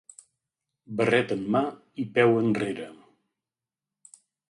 Barret en mà i peu enrere.